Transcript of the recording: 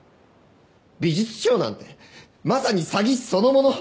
美術商なんてまさに詐欺師そのもの。